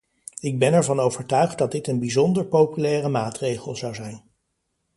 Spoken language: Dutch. Ik ben ervan overtuigd dat dit een bijzonder populaire maatregel zou zijn.